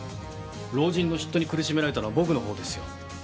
老人の嫉妬に苦しめられたのは僕のほうですよ。